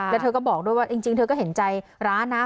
แล้วเธอก็บอกด้วยว่าจริงเธอก็เห็นใจร้านนะ